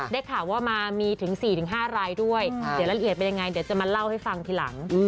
ได้ข่าวว่ามามีถึง๔๕รายด้วยเดี๋ยวรายละเอียดเป็นยังไงเดี๋ยวจะมาเล่าให้ฟังทีหลัง